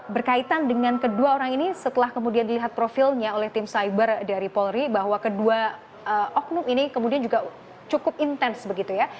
berkaitan dengan kedua orang ini setelah kemudian dilihat profilnya oleh tim cyber dari polri bahwa kedua oknum ini kemudian juga cukup intens begitu ya